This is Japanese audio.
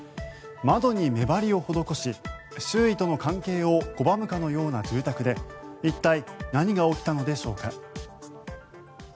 窓に目張りを施し周囲との関係を拒むかのような住宅で一体、何が起きたのでしょうか。